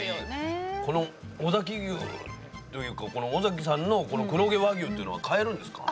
この尾崎牛というかこの尾崎さんの黒毛和牛というのは買えるんですか？